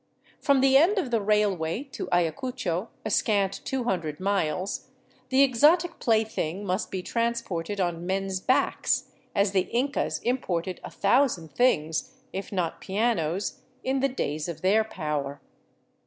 From the end of the railway to Ayacucho, a scant two hundred miles, the exotic plaything must be transported on men's backs, as the Incas imported a thousand things — if not pianos — in the days of their power.